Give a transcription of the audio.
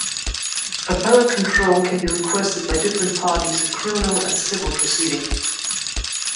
Appellate control can be requested by different parties in criminal and civil proceedings.